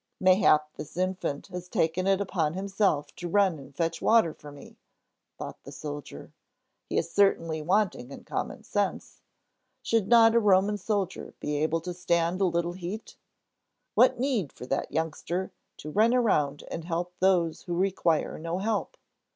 "Mayhap this infant has taken it upon himself to run and fetch water for me," thought the soldier. "He is certainly wanting in common sense. Should not a Roman soldier be able to stand a little heat! What need for that youngster to run around and help those who require no help!